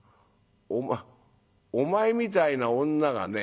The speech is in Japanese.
お前みたいな女がね